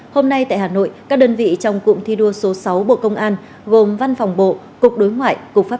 hôm nay tại hà nội các đơn vị trong cụm thi đua số sáu bộ công an gồm văn phòng bộ cục đối ngoại cục pháp